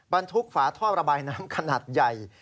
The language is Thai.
บรรทุกฝาท่อระบายน้ำขนาดใหญ่